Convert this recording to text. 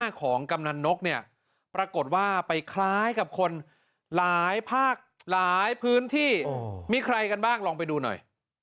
ของกำนันนกเนี่ยปรากฏว่าไปคล้ายกับคนหลายภาคหลายพื้นที่มีใครกันบ้างลองไปดูหน่อย